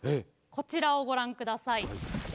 こちらをご覧ください。